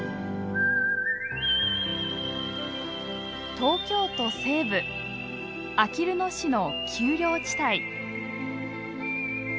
東京都西部あきる野市の丘陵地帯。